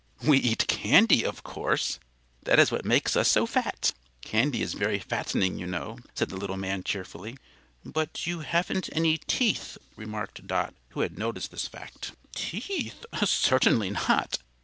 "We eat candy, of course; that is what makes us so fat. Candy is very fattening, you know," said the little man cheerfully. "But you haven't any teeth," remarked Dot, who had noticed this fact. "Teeth! Certainly not.